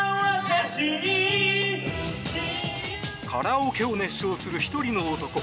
カラオケを熱唱する１人の男。